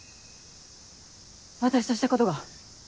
私としたことが。